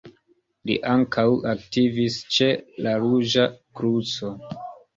Li ankaŭ aktivis ĉe la Ruĝa Kruco.